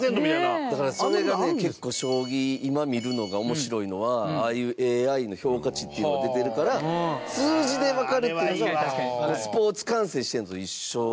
高橋：だから、それがね、結構将棋、今、見るのが面白いのはああいう、ＡＩの評価値っていうのが出てるから数字でわかるっていうのがスポーツ観戦してるのと一緒。